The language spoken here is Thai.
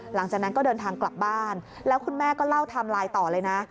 หลังจากนั้นก็เดินทางกลับบ้านแล้วคุณแม่ก็เล่าไทม์ไลน์ต่อเลยนะ